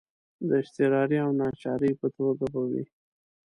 د اضطراري او ناچارۍ په توګه به وي.